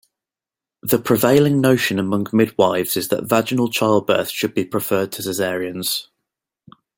The prevailing notion among midwifes is that vaginal childbirths should be preferred to cesareans.